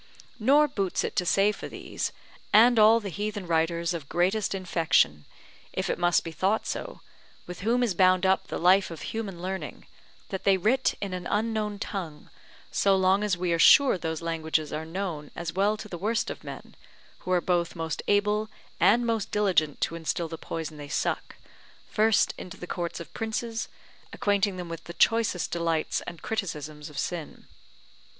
Nor boots it to say for these, and all the heathen writers of greatest infection, if it must be thought so, with whom is bound up the life of human learning, that they writ in an unknown tongue, so long as we are sure those languages are known as well to the worst of men, who are both most able and most diligent to instil the poison they suck, first into the courts of princes, acquainting them with the choicest delights and criticisms of sin.